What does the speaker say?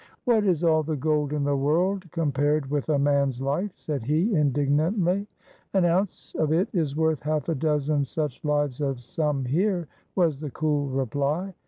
"What is all the gold in the world compared with a man's life?" said he, indignantly. "An ounce of it is worth half a dozen such lives as some here," was the cool reply.